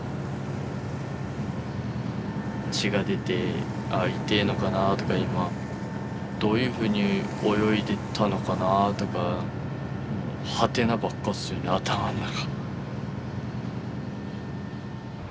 血が出てああいてえのかなあとか今どういうふうに泳いでたのかなあとかはてなばっかっすよね頭の中。